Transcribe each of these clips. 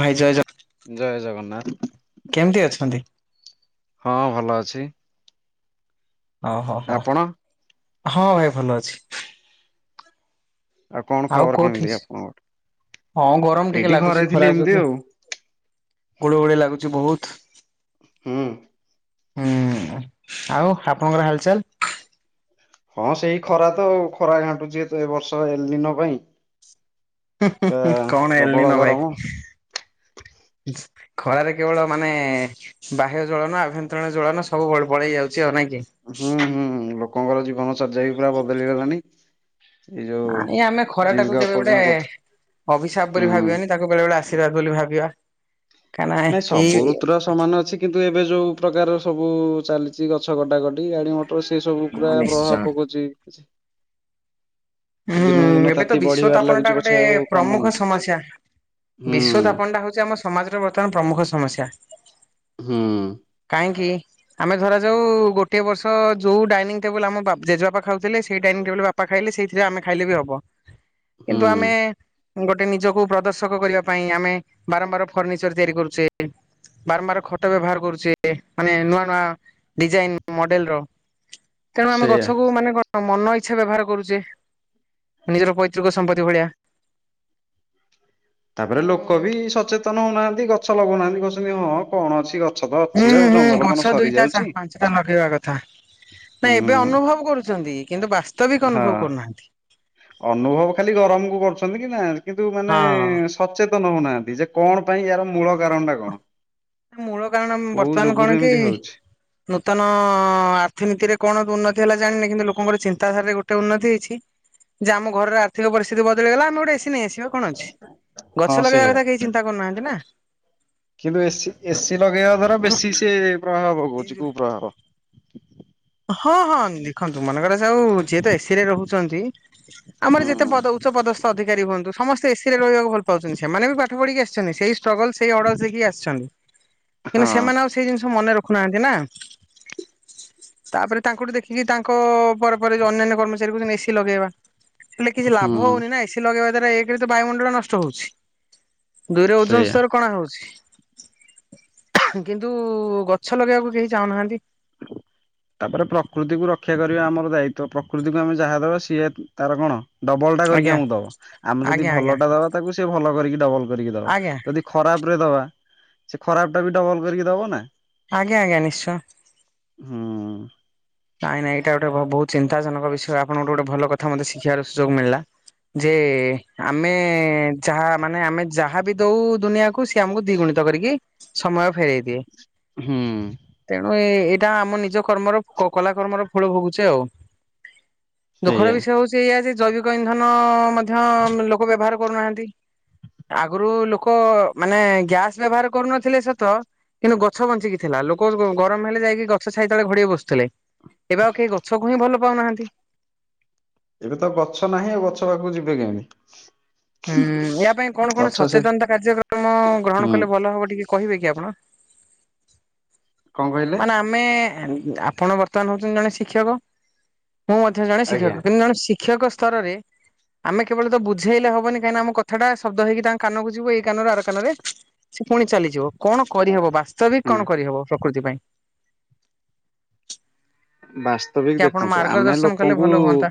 ଭାଇ ଜୟଜଗ ଜୟ ଜଗନ୍ନାଥ। କେମିତି ଅଛନ୍ତି? ହଁ ଭଲ ଅଛି। ଓ ହୋ ହୋ। ଆପଣ ହଁ ଭାଇ ଭଲ ଅଛି। କଣ ଆଉ ଖବର କୋଉଠି? କେମିତି ଆପଣଙ୍କର ହଁ ଗରମ ଟିକେ ଏଇଠି ଘରେ ଲାଗୁଛି ଥିଲି ଖରା ଏମିତି ଯୋଗୁ। ଆଉ ଗୁଳୁ ଗୁଳି ଲାଗୁଛି ବହୁତ। ହୁଁ। ହୁଁ ଉଁ ଆଉ ଆପଣଙ୍କର ହାଲଚାଲ୍! ହଁ ସେଇ ଖରା ତ ଆଉ। ଖରା ଘାଣ୍ଟୁଛି ଏ ବର୍ଷ ଏଲିନ ପାଇଁ। ହିଁ ପୁରା ହିଁ କ'ଣ ପ୍ରବଳ ଏଲିନ ଭାଇ? ଗରମ ଖଳାରେ କେବଳ ମାନେ ବାହ୍ୟ ଜ୍ୱଳନ ଆଭ୍ୟନ୍ତରୀଣ ଜ୍ୱଳନ ସବୁ ବଳେଇ ଯାଉଛି ଆଉ ନାଇକ କି। ହୁଁ ହୁଁ ଲୋକଙ୍କର ଜୀବନଚର୍ଯ୍ୟା ବି ପୁରା ବଦଳି ଗଲାଣି। ନାଇଁ ଆମେ ଖରା ଟାକୁ କେବେ ଗୋଟେ ଉପାର୍ଜନ କରୁ ଅଭିଶାପ ବୋଲି ହୁଁ ଭାବିବାନି। ତାକୁ ବେଳେବେଳେ ଆଶୀର୍ବାଦ ବୋଲି ଭାବିବା। କାହିଁନା ନାଇଁ ଏଇ ସବୁ ଋତୁର ସମାନ ଅଛି କିନ୍ତୁ ଏବେ ଯଉପ୍ରକାର ସବୁ ଚାଲିଛି ଗଛ କଟା କଟି ଗାଡି ମଟର। ସେ ସବୁ ପୁରା ନିଶ୍ଚୟ ପ୍ରଭାବ ପକଉଛି। ସେ ହୁଁ ଦିନକୁ ଦିନ ଏବେ ତ ତାତି ବିଶ୍ଵ ବଢିବାରେ ତାପନାଟା ଲାଗୁଛି ପଛେ ଗୋଟେ ଆଉ କମୁନି ପ୍ରମୁଖ ସମସ୍ୟା। ବିଶ୍ଵ ହୁଁ ତାପନ ଟା ହଉଛି ଆମ ସମାଜର ବର୍ତ୍ତମାନ ପ୍ରମୁଖ ସମସ୍ୟା। ହୁଁ ଉଁ। ଆ କି [unintelligible] ଆମେ ଧରାଯାଉ ଗୋଟଏ ବର୍ଷ ଯୋଉ ଡାଇନିଂ ଟେବୁଲ ଆମ ଜେବାପା ଖାଉଥିଲେ ସେଇ ଡନିଂ ଟେବୁଲ ବାପା ଖାଇଲେ ସେ ଆମେ ଖାଇଲେ ବି ହବ ହୁଁ କିନ୍ତୁ ଆମେ ଗୋଟେ ନିଜକୁ ପ୍ରଦର୍ଶକ କରିବା ପାଇଁ ଆମେ ବାରମ୍ବାର ଫର୍ଣ୍ଣିଚର ତିଆରି କରୁଛେ। ବାରମ୍ବାର ଖଟ ବ୍ୟବହାର କରୁଛେ ମାନେ ନୂଆ ନୂଆ। ଡିଜାଇନ ମଡେଲ ର ତେଣୁ ଆମେ ସେଇଆ। ଗଛ କୁ ମାନେ କଣ ମନ ଇଚ୍ଛା ବ୍ୟବହାର କରୁଛେ। ନିଜର ପୈତୃକ ସମ୍ପତ୍ତି ଭଳିଆ। ତେଣୁ ତାପରେ ଲୋକ ବି ସଚେତନ ହଉନାହାନ୍ତି ଗଛ ଲଗଉନାହାନ୍ତି କହୁ ଛନ୍ତି ହଁ କଣ ଅଛି ଗଛ ତ ଅଛି ହୁଁ ଆଉ ହୁଁ ଜଙ୍ଗଲ କଣ ଗଛ ସରି ଦୁଇଟା ଯାଉଛି ଚାରି ପାଞ୍ଚଟା ଲଗେଇବା କଥା। ହୁଁ ନାଇଁ ଏବେ ଅନୁଭବ କରୁଛନ୍ତି, କିନ୍ତୁ ବାସ୍ତବିକ ଅନୁଭବ ହଁ। କରୁନାହାନ୍ତି। ଅନୁଭବ ଖାଲି ଗରମ କୁ କରୁଛନ୍ତି କି ନା କିନ୍ତୁ ମାନେ ହଁ। ସଚେତନ ହଉନାହାନ୍ତି। ଯେ କ'ଣ ପାଇଁ ୟାର ମୂଳ କାରଣ ଟା କଣ? ମୂଳ କାରଣ କୋଉ ବର୍ତ୍ତମାନ କଣ ଯୋଗୁରୁ କି ଏମିତି ହଉଛି। ନୂତନ ଆର୍ଥିନୀତି ରେ କଣ ଉନ୍ନତି ହେଲା ଜାଣିନି। କିନ୍ତୁ ଲୋକଙ୍କର ଚିନ୍ତାଧାରାରେ ଗୋଟେ ଉନ୍ନତି ହେଇଛି। ଯେ ଆମ ଘର ର ଆର୍ଥିକ ପରିସ୍ଥିତି ବଦଳିଗଲା ଆମ ଗୋଟେ ଏସି ବା କଣ ଅଛି ହଁ ଗଛ ଲଗେଇବା ସେଇଆ। କଥା କେହି ଚିନ୍ତା କରୁନାହାନ୍ତି ନା କିନ୍ତୁ ଏସି ଏସିି ଲଗେଇବା ଦ୍ଵାରା ତେଣୁ ବେଶୀ ସେ ପ୍ରଭାବ ଏଇ ପକଉଛି ଯୋଉ କୁ ପ୍ରଭାବ। ହଁ ହଁ ଦେଖନ୍ତୁ ମନେକରା ଯାଉ ଯିଏ ତ ଏସି ରେ ରହୁଛନ୍ତି। ଆମର ଯେତେ ହୁଁ ପଦ ଉଚ୍ଚ ପଦସ୍ଥ ଅଧିକାରୀ ହୁଅନ୍ତୁ, ସମସ୍ତେ ଏସିରେ ରହିବାକୁ ଭଲ ପାଉଛନ୍ତି। ସେମାନେ ବି ପାଠ ପଢିକି ଆସିଛନ୍ତି ସେଇ ଷ୍ଟଗଲ ସେଇ ଅର୍ଡସ ଦେଇକି ଆସିଛନ୍ତି କିନ୍ତୁ ସେମାନେ ହଁ ଆଉ ସେଇ ଜିନିଷ ମନେ ରଖୁନାହାନ୍ତି ନା। ତା'ପରେ ତାଙ୍କଠୁ ଦେଖିକି ତାଙ୍କ ପରେ ପରେ ଅନ୍ୟାନ୍ୟ କର୍ମଚାରୀ କହୁଛନ୍ତି ଏସିି ଲଗେଇବା। ହେଲେ କିଛି ଲାଭ ହୁଁ ହଉନି ନା ଏସି ଲଗେଇବା ଦ୍ଵାରା ଏଇ ତ ବାୟୁମଣ୍ଡଳ ନଷ୍ଟ ହଉଛି। ଦୁଇରେ ଓଜନ ସେଇଆ। ସ୍ତର କଣା ହଉଛି। କିନ୍ତୁ ଗଛ ଲଗେଇବାକୁ କେହି ଚାହୁଁନାହାନ୍ତି। ତାପରେ ପ୍ରକୃତିକୁ ରକ୍ଷା କରିବା ଆମର ଦାୟିତ୍ଵ ପ୍ରକୃତିକୁ ଆମେ ଯାହା ଦେବା ସିଏ ତାର କଣ? ଡବଲ ଟା କରିକି ଆଜ୍ଞା ଆମକୁ ଦବ। ଆମେ ଯଦି ଆଜ୍ଞା ଆଜ୍ଞା ଭଲ ଟା ଦବା ତାକୁ ସେ ଭଲ କରିକି ଡବଲ କରିକି ଦବ। ଆଜ୍ଞା ଯଦି ଖରାପ ରେ ଦବା ସେ ଖରାପ ଟା ବି ଡବଲ କରିକି ଦବା ନା! ଆଜ୍ଞା ଆଜ୍ଞା ନିଶ୍ଚୟ। ହଁଉଁ। ନାଇଁ ନାଇଁ ଏଇଟା ଗଟେ ବହୁଚିନ୍ତା ଜନକ ବିଷୟ ଆପଣ ଙ୍କ ଗୋଟ ଭଲ କଥା ମେ ଶିଖିବାର ସୁଯୋଗ ମିଳିଲା। ଯେ ଆମେ ଯାହା ମାନେ ଆମେ ଯାହାବ ଦଉ ଦୁନିଆକୁ ସିଏ ଆମକୁ ଦିଗୁଣିତ କରିକି ସମୟ ଫେରଇ ଦିଏ। ହଁ। ତେଣୁ ଏ ଏଇଟା ଆମ ନିଜ କର୍ମର କଲା କରର୍ମର ଫଳ ଭୋଗୁଛେ ଆଉ ସେଇଆ ଦୁଃଖର ବିଷୟ ହଉଛି ସେଇଆ ସେ ଜୈବିକ ଇନ୍ଧନ ମଧ୍ୟ ଲୋକ ବ୍ୟବହାର କରୁନାହାନ୍ତି। ଆଗରୁ ଲୋକ ମାନେ ଗ୍ୟାସ ବ୍ୟବହାର କରୁନଥିଲେ ସତ କିନ୍ତୁ ଗଛ ବଞ୍ଚିକି ଥିଲା ଲୋକ ଗରମ ହେଲେ ଯାଇକି ଗଛାଇ ତେଳେ ଘଡେଇ ବସୁଥିଲେ। ଏବେ ଆଉ କେହି ଗଛକୁ ହିଁ ଭଲ ପାଉନାହାନ୍ତି। ଏବେ ତ ଗଛ ନାହିଁ ଆ ଗଛ ପାଖକୁ ଯିବେ କେମିତି। ହୁଁ ୟା ପାଇଁ କଣ କଣ ଗଛ ସେ ସଚେତନତା କାର୍ଯ୍ୟକ୍ରମ ଗ୍ରହଣ ହୁଁ କଲେ ଭଲ ହବ ଟିକେ କହିବେ କି ଆପଣ? କଣ କହିଲେ? ମାନେ ଆମେ ଆପଣ ବର୍ତ୍ତମାନ ହଉଛନ୍ତି ଜଣେ ଶିକ୍ଷକ ମୁଁ ମଧ୍ୟ ଜଣେ ଆଜ୍ଞା ଶିକ୍ଷକ କିନ୍ତୁ ଜଣେ ଶିକ୍ଷକ ସ୍ତରରେ ଆମେ କେବଳ ତ ବୁଝେଇଲେ ହବନି କାହିଁକିନା ଆମଥାଟା ଶବ୍ଦ ହେଇକି ତାଙ୍କ କାନକୁ ଯୁ ଏଇ କାନ ଆ କାନରେ ସେ ପୁଣି ଚାଲିଯିବ କଣ କରିହବ ବାସ୍ତବିକ ହୁଁ କଣ କରିହବ ପ୍ରକୃତି ପାଇଁ। ବାସ୍ତବିକ ଟିକେ ଆପଣ ଦେଖନ୍ତୁ ଆମେ ମାର୍ଗଦର୍ଶନ କଲେ ଲୋକଙ୍କୁ ଭଲ ହୁଅନ୍ତା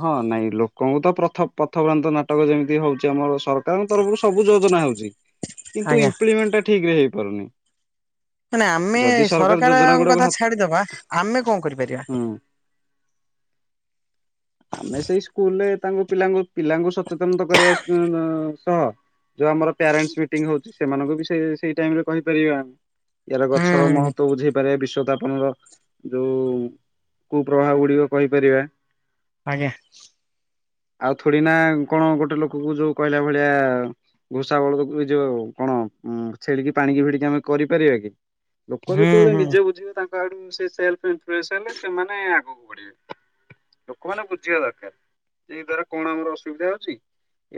ହଁ ନାଇଁ ଲୋକଙ୍କୁ ତ ପ୍ରଥ ପଥପ୍ରାନ୍ତ ନାଟକ ଯେମିତି ହଉଛି ଆମର ସରକାରଙ୍କ ତରଫରୁ ସବୁ ଯୋଜନା ହଉଛି କିନ୍ତୁ ଆଜ୍ଞା ଇମ୍ପ୍ଲିମେଣ୍ଟ ଟା ଠିକ ରେ ହେଇପାରୁନି। ମାନ ଆମେ ଯଦି ସରକାର ଯୋଜନା ସରକାରଙ୍କ ଗୁଡାକୁ କଥା ଛାଡିଦବା ଆମେ କଣ କରିପାରିବା? ହଁ। ଆମେ ସେଇ ସ୍କୁଲରେ ତାଙ୍କୁ ପିଲାଙ୍କୁ ପିଲାଙ୍କୁ ସଚେତନତା କରିବା ସହ ଯୋଉ ଆମର ପ୍ୟାରେଣ୍ଟସ ମିଟିଙ୍ଗ ହଉଛି ସେମାନଙ୍କୁ ବି ସେ ସେଇ ଟାଇମ ରେ କହିପାରିବିବା। ୟାର ହୁଁ ଗଛର ହୁଁ ମହତ୍ତଵ ବୁଝେଇ ବିଶ୍ଵଥାପନ ର ଯୋଉ କୁପ୍ରବାହ ଗୁଡିକ କହିପାରିବା। ଆଜ୍ଞା। ଆଉ ଥୋଡି ନା କଣ ଗୋଟେ ଲୋକକୁ ଯୋଉ କହିଲା ଭଳିଆ ଘୁଷା ବେଳକୁ ଯ କଣ ଛେଳିକି ପାଣିକି ଫିଡିକି ଆମେ କରିପାରିବା କି? ଲୋକ ହୁଁ ଯେତେବେଳେ ହୁଁ ନିଜେ ବୁଝିବେ ତାଙ୍କ ଆଡୁ ସେ ସେଲଇନଫଏସ ହେଲେ ସେମାନେ ଆଗକୁ ବଢିବେ। କୋଉମାନେ ବୁଝିବା ଦରକାର। ଯେ ଏଇ ଦଵାରା କଣ ଆମର ଅସୁବିଧା ହଉଛି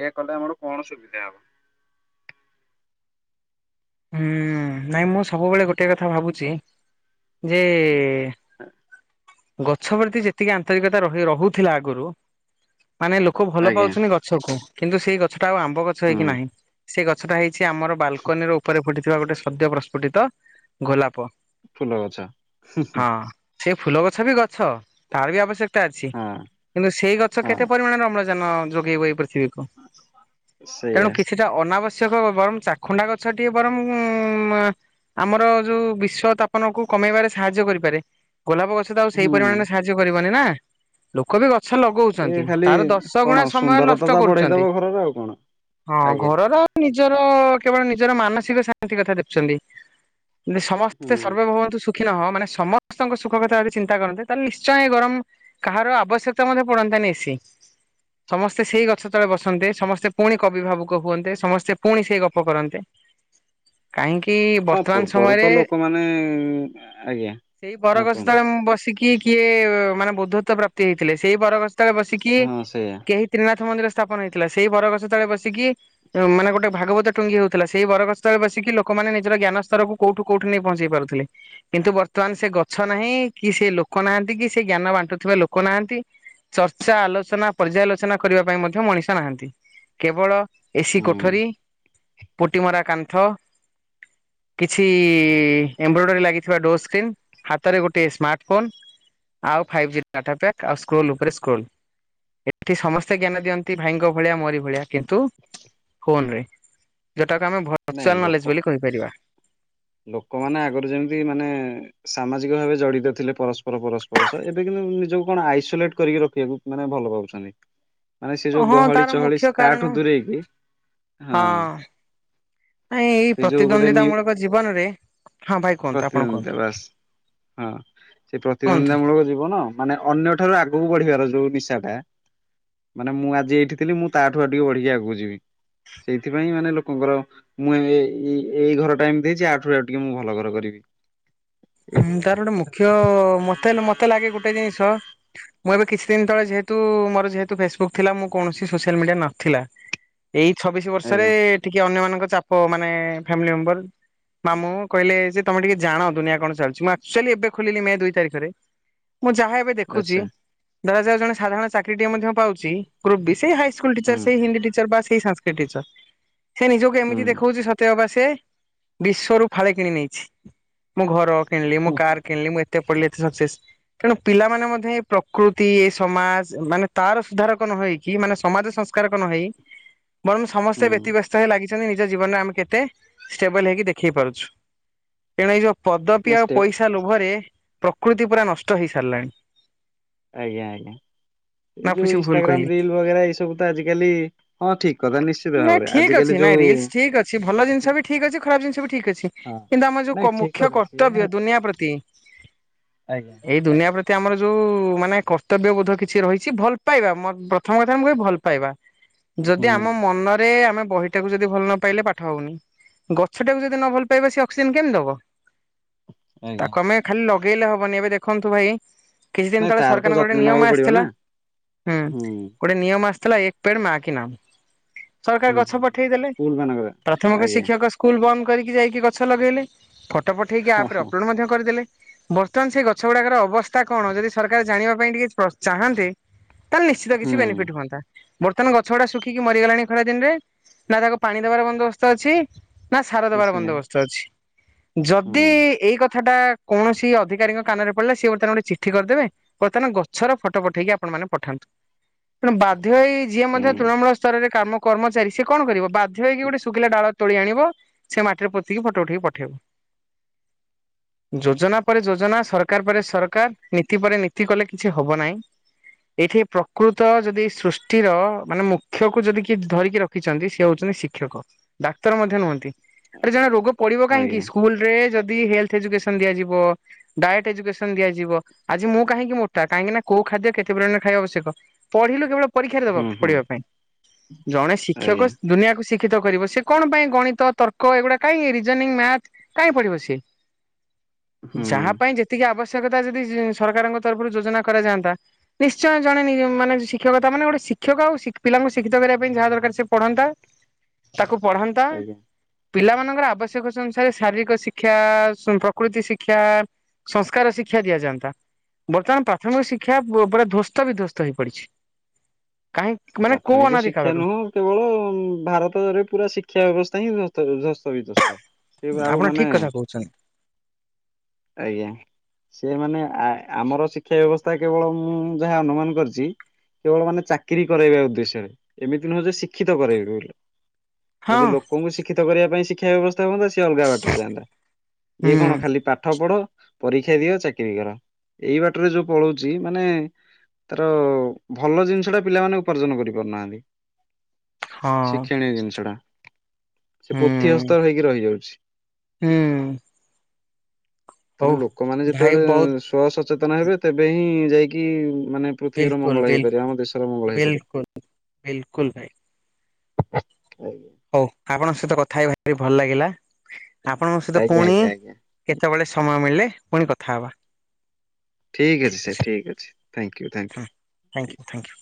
ଏହାୟ କଲେ ଆମର କଣ ସୁବିଧା ହବ। ହଁ ନାଇଁ ମୁଁ ସବୁବେଳେ ଗୋଟେ କଥା ଭାବୁଛି ଯେ ଗଛ ପ୍ରତି ଯେତିକି ଆନ୍ତରିକତା ରହି ରହୁଥିଲା ଆଗରୁ ମାନେ ଲୋକ ଭଲ ଆଜ୍ଞା ପାଉଛନ୍ତି ଗ ଗଛକୁ କିନ୍ତୁ ସେଇ ଗଛଟା ଆଉ ଆମ୍ବ ଗଛ ହୁଁ ହେଇକି ନାହିଁ। ସେ ଗଛଟା ହେଇଛି ଆମର ବାଲକନି ର ଉପରେ ଫୁଟିଥିବା ଗୋଟେ ସଦ୍ୟ ପ୍ରସ୍ଫୁଟିତ ଗୋଲାପ। ଫୁଲ ଗଛ। ସେଇ ଫୁଲ ଗଛ ବି ଗଛ ତାର ବି ଆବଶ୍ୟକତା ଅଛି ହଁ କିନ୍ତୁ ସେଇ ଗଛ ହଁ କେତେ ପରିମାଣରେ ଅମଳ ଯାନଯୋଗେଇବ ଏଇ ପୃଥିବୀକୁ ତେଣୁ ସେଇଆ କି ସେଟା ଅନାବଶ୍ୟକ ବରଂ ଚାଖୁଣ୍ଡା ଗଛଟିଏ ବରଂ ଆମର ଯୋଉ ବିଶ୍ୱ ତାପନ କୁ କମେଇବାରେ ସାହାଯ୍ୟ କରିପାରେ ଗୋଲାପ ଗଛ ଆଉ ସେଇ ହୁଁ। ପରିମାଣରେ ସାହାଯ୍ୟ କରିବନି ନା ଲୋକ ବି ଗଛ ସିଏ ଲଗଉଛନ୍ତି ଖାଲି ତାର ଦଶ କଣ ଗୁଣା ସମୟ ସୁନ୍ଦରତା ନଷ୍ଟ ଟା ବଢେଇଦବ କରୁଛନ୍ତି। ଘରର ଆଉ କଣ ହଁ ଆଜ୍ଞା ଘରର ଆଉ ନିଜର କେବଳ ନିଜର ମାନସିକ ଶାନ୍ତି କଥା ଦେଖୁଛନ୍ତି। ସମସ୍ତେ ହୁଁ। ସର୍ବେ ଭଗନ୍ତୁ ସୁଖୀ ନ ହ ମାନେ ସମସ୍ତଙ୍କ ସୁଖ କଥା ଚିନ୍ତା କରନ୍ତେ ତାହେଲେ ନିଶ୍ଚୟ ଗରମ କାହାର ଆବଶ୍ୟକତା ମଧ୍ୟ ପଡନ୍ତାନି ସିଏ। ସମସ୍ତେ ସେଇ ଗଛ ତଳେ ବସନ୍ତେ ସମସ୍ତେ ପୁଣି କବି ଭାବୁକ ହୁଅନ୍ତେ ସମସ୍ତେ ପୁଣି ସେଇ ଗପ କରନ୍ତେ। କାହିଁକି? ହଁ ବର୍ତ୍ତମାନ ପୂର୍ବରୁ ସମୟରେ ତ ଲୋକମାନେ ଆଜ୍ଞା। ସେଇ ହଁ ବରଗଛ କୁହନ୍ତୁ ତଳେ ମୁଁ ବସିକି କିଏ ମାନେ ବୁଦ୍ଧଵ ପ୍ରାପ୍ତି ହେଇଥିଲେ ସେଇ ବରଗସ୍ତରେ ବସିକି ହଁ ସେଇଆ କେହି ତ୍ରିନାଥ ମନ୍ଦିର ସ୍ଥାପନ ହେଇଥିଲା ସେଇ ବରଗଛ ତଳେ ବସିକି ମାନେ ଗୋଟେ ଭାଗବତ ଟୁଙ୍ଗି ହଉଥିଲା ସେଇ ବରଗସ୍ତରେ ବସିକି ଲୋକମାନେ ନିଜର ଜ୍ଞାନ ସ୍ତର କୁ କୋଉଠୁ କୋଉଠି ନେଇ ପହଞ୍ଚେଇ ପାରୁଥିଲେ କିନ୍ତୁ ବର୍ତ୍ତମାନ ସେ ଗଛ ନାହିଁ। କି ସେ ଲୋକ ନାହାନ୍ତି କି ସେ ଜ୍ଞାନ ବାଣ୍ଟୁଥିବା ଲୋକ ନାହାନ୍ତି। ଚର୍ଚ୍ଚା ଆଲୋଚନା ପର୍ଯ୍ୟାଲୋଚନା କରିବା ପାଇଁ ମଧ୍ୟ ମଣିଷ ନାହାନ୍ତି। କେବଳ ଏସି ହୁଁ। କୋଠରୀ ପୁଟିମରା କାନ୍ଥ। କିଛି ଏମ୍ବ୍ରଏଡରୀ ଲାଗିଥିବା ଡୋର ସ୍କ୍ରିନ୍ ହାତରେ ଗୋଟେ ଟେ ସ୍ମାର୍ଟ ଫୋନ୍ ଆଉ ଫାଇଭ ଜି ଡାଟା ପ୍ୟାକ୍ ଆଉ ସ୍କ୍ରୋଲ ଉପରେ ସ୍କ୍ରୋଲ। ଏଠି ସମସ୍ତେ ଜ୍ଞାନ ଦିଅନ୍ତି ଭାଇଙ୍କ ଭଳିଆ ମୋରି ଭଳିଆ। କିନ୍ତୁ ଫୋନରେ ଯୋଉଟାକୁ ଆମେ ଭଲ ନାଇଁ ଲୋକ ଲୋକମାନେ ଆଗରୁ ଯେମିତି ମାନେ ସାମାଜିକ ଭାବେ ଜଡିତ ଥିଲେ ପରସ୍ପର ପରସ୍ପର ସହ ଏବେ କିନ୍ତୁ ନିଜକୁ କଣ ଆଇସୋଲେଟ କରିକି ରଖିବାକୁ। ମାନେ ଭଲ ପାଉଛନ୍ତି। ମାନେ ସେ ଯୋଉ ହଁ ଗହଳି ତାର ଚହଳି ମୁଖ୍ୟ ତାଠୁ କାରଣ ଦୂରେଇକି ହଁ ନାଇଁ ଏଇ ସେ ଯୋଉ ଗୋଟେ ପ୍ରତିଦ୍ୱନ୍ଦ୍ୱିତା ନି ମୂଳକ ଜୀବନରେ ହଁ ଭାଇ କୁହନ୍ତୁ ଆପଣ ପ୍ରତିଦ୍ୱନ୍ଦିତା କୁହନ୍ତୁ। ବାସ୍ ହଁ ସେ କୁହନ୍ତୁ। ପ୍ରତିଦ୍ୱନ୍ଦିତା ମୂଳକ ଯ କଣ ମାନେ ଅନ୍ୟ ଠାରୁ ଆଗକୁ ବଢିବାର ଯୋଉ ନିଶାଟା ମାନେ ମୁଁ ଆଜି ଏଇଠିଥିଲି ମୁଁ ତା ଠୁ ଆ ଟିକେ ବଢିକି ଆଗକୁ ଯିବି। ସେଇଥିପାଇଁ ମାନେ ଲୋକଙ୍କର ମୁଁ ଏ ଏଇ ଘର ଟ ଏମତି ହେଇଛି ଆଠରୁ ଆଉ ଟିକି ମୁଁ ଭଲ ଘର କରିବି। ହୁଁ ଏଇଭଳିଆ। ତାର ଗୋଟେ ମୁଖ୍ୟ ମତେ ହେଲେ ମତେ ଲାଗେ ଗୋଟେ ଜିନିଷ ମୁଁ ଏବେ କିଛି ଦିନ ତଳେ ଯେହେତୁ ମୋର ଯେହେତୁ ଫେସବୁକ୍ ଥିଲା ମୁ କୌଣସି ସୋସିଆଲ ମିଡିଆ ନଥିଲା। ଏଇ ଛବିଶ ବର୍ଷରେ ଆଜ୍ଞା ଟିକେ ଅନ୍ୟମାନାନଙ୍କ ଚାପ ମାନେ ଫ୍ୟାମିଲି ମେମ୍ବର ମାମୁଁ କହିଲେ ଯେ ତମେ ଟିକେ ଜାଣ ଦୁନିଆ କଣ ଚାଲୁଛି ମୁ ଏକ୍ଟୁଆଲୀ ଏବେ ଖୋଲିଲି ମେ ଦୁଇ ତାରିଖରେ ମୁଁ ଯାହା ଏବେ ଦେଖୁଛି ଆଚ୍ଛା ଦେଖାଯାଉ ଜଣେ ସାଧାରଣ ଚାକିରିଟିଏ ମଧ୍ୟ ପାଉଛି ଗ୍ରୁ ବି ସେଇ ହାଇସ୍କୁଲ ଟିଚର ହୁଁ ସେଇ ହିନ୍ଦୀ ଟିଚର ବା ସେଇ ସଂସ୍କୃ ତିକ ଟିଚର ସେ ନିଜକୁ ଏମିତି ହୁଁ ଦେଖଉଛିତ ସ ତ ବା ସେ ବିଶ୍ଵରୁ ଫାଳେ କିଣି ନେଇଛି ମୁଁ ଘର କିଣିଲି ମୁଁ କାର୍ କିଣିଲି ମୁଁ ଏଟେ କେ ପଡ଼ିଲ ସକ୍ସେସ। ତେଣୁ ପିଲାମାନେ ମଧ୍ୟ ଏ ପ୍ରକୃତି ଏ ସମାଜ ମାନେ ତାର ସୁଧାରକ ନ ହେଇକି ମାନେ ସମାଜ ସଂ କାରକ ନ ହେଇ ବରଂ ସମସ୍ତେ ହୁଁ ବ୍ୟତିବ୍ୟସ୍ତ ରେ ଲାଗି ତେଣୁ ନିଜ ଜୀବନରେ ଆମେ କେତେ ଷ୍ଟେବଲ ହେଇକି ଦେଖେଇ ପାରୁଛୁ ଏଣୁ ଏଇ ଯୋଉ ପଦ ନଷ୍ଟେ ଲୋଭରେ ପ୍ରକୃତି ପୁରା ନଷ୍ଟ ହେଇସାରିଲାଣି। ଆଜ୍ଞା ଆଜ୍ଞା ନା ଏ ଯୋଉ କିଛି ଭୁଲ କହିଲି? ଇନ୍ଷ୍ଟଗ୍ରମ୍ ରିଲ ରିଲି ବଗେରା ଏଇ ସବୁ ତ ଆଜିକାଲି ହଁ ଠିକ କଥା ନିଶ୍ଚିତ। ନାଇଁ ଭାବରେ ଠିକ ଆଜିକାଲି ଅଛି ନାଇଁ ଯୋଉ ରିଲସ ଠିକ ଅଛି ଭଲ ଜିନିଷ ବି ଠିକ ଅଛି ଖରାପ ଜିନିଷ ବି ଠିକ ଅଛି। ହଁ କିନ୍ତୁ ଆମର ଯୋଉ ନାଇଁ କ ଠିକ ମୁଖ୍ୟ କଥା ସିଏ କର୍ତ୍ତବ୍ୟ ଦୁନିଆ ପ୍ରତି ଏଇ ଦୁନିଆ ଆଜ୍ଞା। ଏଇ ଦୁନିଆ ପ୍ରତି ଏତେ ଆମର ଯେଉଁ ମାନେ କର୍ତ୍ତବ୍ୟବୋଧ କିଛି ରହିଛି ଭଲ ପାଇବା ମ ପ୍ରଥମ କଥା ଆମେ କହିବି ଭଲ ପାଇବା। ଯଦି ହୁଁ ଆମ ମନରେ ଆମେ ବହିଟାକୁ ଯଦି ଭଲ ନ ପାଇଲେ ପାଠ ହଉନି। ଗଛଟାକୁ ଯଦି ନ ଭଲ ପାଇବା ସେ ଅକ୍ସିଜେନ କେମିତି ଦବ, ଆଜ୍ଞା। ତାକୁ ଆମେ ଖାଲି ଲଗେଇଲେ ହବନି ଏବେ ଦେଖନ୍ତୁ ଭାଇ କିଛି ଦିନ ନାଇଁ ତଳେ ତାର ତ ସରକାରଙ୍କ ଗୋଟେ ଯତ୍ନ ନେବାକୁ ନିୟମ ପଡିବ ଆସିଥିଲା ନା। ହୁଁ ଗୋଟେ ନିୟମ ଆସିଥିଲା ଏକ ପେଡ ମାକି ନାମ ସରକାର ହୁଁ ଗଛ ହୁଁ ହୁଁ। ପଠେଇଦେଲେ ସ୍କୁଲ ମାନଙ୍କରେ ପ୍ରଥମ ଆଜ୍ଞା ଶିକ୍ଷକ ସ୍କୁଲ ବନ୍ଦ କରିକି ଯାଇକି ଗଛ ଲଗେଇଲେ। ଫଟୋ ପଠେଇକି ହଁ ଆପ ରେ ହଁ ଅପଲୋଡ୍ ମଧ୍ୟ କରିଦେଲେ। ବର୍ତ୍ତମାନ ସେ ଗଛ ଗୁଡାକର ଅବସ୍ଥା କଣ ଯଦି ସରକାର ଜାଣିବା ପାଇଁ ଟିକେ ଚାହାନ୍ତି। ତାହେଲେ ନିଶ୍ଚିତ କିଛି ବେନିଫିଟ ହୁଁ ହୁଅନ୍ତା ବର୍ତ୍ତମାନ ଗଛ ଗୁଡ଼ାକ ଶୁଖିକି ମର ସୁଖୀ ଗଲାଣି ଖରା ଦିନରେ ନା ତାକୁ ପାଣି ଦେବାର ବନ୍ଦୋବସ୍ତ ଅଛି। ନା ସାର ଦେବାର କିଛି ନାହିଁ ବନ୍ଦୋବସ୍ତ ଅଛି ଯଦି ହୁଁ ଏଇ କଥା ଟା ସରକାର କୌଣସି ଅଧିକାରୀ କାନରେ ପଡ଼ିଲେ ସେ ଗୋଟେ ଚିଠିକରିଦେବେ ବର୍ତ୍ତମାନ ଗଛର ଫଟୋ ପଠେଇକି ଆପଣ ମାନେ ପଠାନ୍ତୁ ତେଣୁ ବାଧ୍ୟଇ ଯିଏ ମଧ୍ୟ ହୁଁ ତୃଣମୂଳ ସ୍ତରରେ କାମ କର୍ମଚାରୀ ସେ କଣିବ ବାଧ୍ୟ ହୋଇଇକି ଗୋଟେ ଶୁଖିଲା ଡାଳ ତୋଳି ଆଣିବ। ସେ ମାଟିରେ ପୋତିକି ଫଟୋ ଉଠେଇି ପଠେଇବ। ଯୋଜନା ପରେ ଯୋଜନା ସରକାର ପରେ ସରକାର ନୀତି ପରେ ନୀତି କଲେ କିଛି ହବ ନାହିଁ। ଏଇଠି ପ୍ରକୃତ ଯଦି ସୃଷ୍ଟିର ମାନେ ମୁ। ଶିକ୍ଷକୁ ଯଦି କି ଧରିକି ରଖିଛନ୍ତି ସେଏ ହଉଛନ୍ତି ଶିକ୍ଷକ ଡାକ୍ତର ମଧ୍ୟ ନୁହନ୍ତି। ଏ ଜଣେ ରୋଗ ପଡିବ କାହିଁକି ଆଜ୍ଞା ସ୍କୁଲ ରେ ଯଦି ହେଲଥ ଏଜୁକେସନ ଦିଆଯିବ। ଡଏଟ୍ ଏଜୁକେସନ ଦିଆଯିବ ଆଜି ମୁଁ କାହିଁକି ମୋଟା କାହିଁକି ନା କୋଉ ଖାଦ୍ୟ କେତେ ପରିମାଣରେ ଖାଇବା ଆବଶ୍ୟକ। ପଢିଲୁ କେବଳ ପରୀକ୍ଷାରେ ଦବା ହୁଁ ହୁଁ ପଢିବା ପାଇଁ ଜଣେ ଶିକ୍ଷକ ଆଜ୍ଞା ଦୁନିଆକୁ ଶି ଶିକ୍ଷିତ କରିବ ସିଏ କଣ ପାଇଁ ଗଣିତ ତର୍କ ଏଗୁଡା କାଇଁ ରିଜଙ୍ଗି ମ୍ୟାର୍ଥ କାଇଁ ପଢିବ ସେ। ହୁଁ ଯାହା ପାଇଁ ଯେତିକି ଆବଶ୍ୟକତା ଯଦି ସରକାରଙ୍କ ତରଫରୁ ଯୋଜନା କରାଯାଆନ୍ତା। ନିଶ୍ଚୟ ଜଣେ ନି ମାନେ ଶିକ୍ଷକତା ମାନେ ଗୋଟେ ଶିକ୍ଷକ ଆଉ ସ ପିଲାଙ୍କୁ ଶିକ୍ଷିତ କରିବା ପାଇଁ ଯାହା ଦରକାର ସେ ପଢନ୍ତା ତାକୁ ପଢନ୍ତା। ଆଜ୍ଞା। ପିଲାମାନାନଙ୍କର ଆବଶ୍ୟକତା ଅନୁସାରେ ଶାରୀରିକ ଶିକ୍ଷା ପ୍ରକୃତି ଶିକ୍ଷା ସଂସ୍କାର ଶିକ୍ଷା ଦିଆଯାନ୍ତା ବର୍ତ୍ତମାନ ପ୍ରାଥମିକ ଶିକ୍ଷା ପୁରା ଧ୍ଵସ୍ତ ବିଧ୍ଵସ୍ତ ହେଇ ପଡିଛି। କାହିଁ ମାନେ କୋଉ ପ୍ରାଥମିକ ଅନାଦି ଶିକ୍ଷା କାଳରୁ ନୁହଁ। କେବଳ ଭାରତରେ ପୁରା ଶିକ୍ଷା ବ୍ୟବସ୍ଥା ହିଁ ଧସ୍ତ ବିଧ୍ୱସ୍ତ। ସେ ଆଉ ଆପଣ ମାନେ ଠିକ କଥା କହୁଛନ୍ତି ଆଜ୍ଞା। ସେ ମାନେ ଆ ଆମର ଶିକ୍ଷା ବ୍ୟବସ୍ଥା କେବଳ ମୁଁ ଯାହା ଅନୁମାନ କରିଛି କେବଳ ମାନେ ଚାକିରି କରାଇବା ଉଦ୍ଦେଶ୍ୟରେ ଏମିତି ନୁହଁ ଯେ ଶିକ୍ଷିତ କରାଇବେ ବୋଲି ହଁ ଯଦି ଲୋ ଙ୍କୁ ଶଶିକ୍ଷିତ କରିବା ପାଇଁ ଶିକ୍ଷ ବ୍ୟବସ୍ଥା ହୁଅତା ସେ ଅଲଗା ବାଟରେ ଯାଆନ୍ତା ଇଏ ହୁଁ କଣ ଖାଲି ପାଠ ପଢ ପରୀକ୍ଷା ଦିଅ ଚାକିରୀ କର ଏଇ ବାଟରେ ଯୋଉ ପଳଉଛି ମାନେ ତାର ଭଲ ଜିନିଷ ଟା ପିଲାମାନେ ଉପାର୍ଜନ କରିପାରୁନାହାନ୍ତି। ହଁ ଶିକ୍ଷଣୀୟ ଜିନିଷଟା। ସେ ପୋଥି ହୁଁ ଅସ୍ତର ହେଇକି ରହିଯାଉଚି। ହୁଁ। ହଉ ତେଣୁ ଲୋକମାନେ ଭାଇ ବହୁତ ଯେତେବେଳେ- ସସଚେତନ, ହେବେ ତେବେ ହିଁ ଯାଇକି ମାନେ ପୃଥିବୀର ବିଲକୁଲ ମଙ୍ଗଳ ହେଇପାରିବ, ବିଲକୁଲ ଆମ ଦେଶର ମଙ୍ଗଳ ହେଇପାରିବ। ବିଲକୁଲ ବିଲକୁଲ ଭାଇ। [inaudible] [unintelligible] ହଉ ଆପଣଙ୍କ ସହିତ କଥା ହେଇ ଭାରି ଟିକେ ଭଲ ଲାଗିଲା, ଆପଣଙ୍କ ସହିତ ଆଜ୍ଞା ପୁଣି ଆଜ୍ଞା ଆଜ୍ଞା କେତେବେଳେ ସମୟ ମିଳିଲେ, ପୁଣି କଥା ହବା। ଠିକ୍ ଅଛି ସେ ଠିକ୍ ଅଛି। ଥ୍ୟାଙ୍କ ୟୁ, ଥ୍ୟାଙ୍କ ହଁ ୟୁ। Thank you thank you.